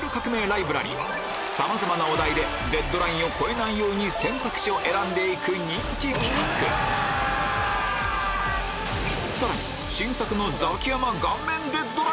ライブラリーはさまざまなお題でデッドラインを超えないように選択肢を選んで行く人気企画さらに